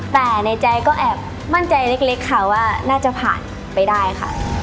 แต่ในใจก็แอบมั่นใจเล็กค่ะว่าน่าจะผ่านไปได้ค่ะ